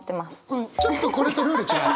うんちょっとこれとルール違う。